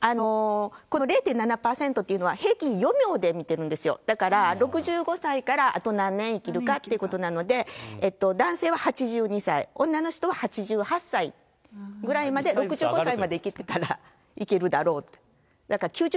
この０．７％っていうのは、平均余命で見てるんですよ、だから６５歳からあと何年生きるかっていうことなんで、男性は８２歳、女の人は８８歳ぐらいまで６５歳まで生きてたらいけるだろうと。